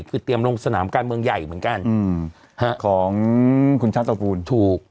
คือเตรียมลงสนามการเมืองใหญ่เหมือนกันของคุณชาตระกูลถูก